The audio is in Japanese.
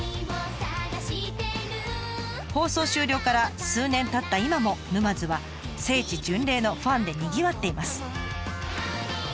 放送終了から数年たった今も沼津は聖地巡礼のファンでにぎわっています。